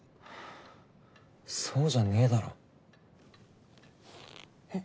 そうじゃねぇだろ。えっ？